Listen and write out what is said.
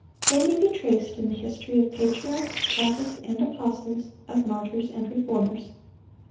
They may be traced in the history of patriarchs, prophets, and apostles, of martyrs and reformers.